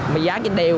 mình dán trên đều